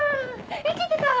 生きてた！